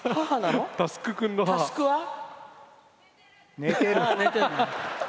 寝てる。